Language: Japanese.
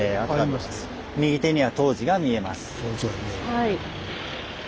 はい。